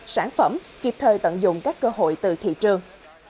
sản phẩm kịp thời tận dụng các cơ hội từ thị trường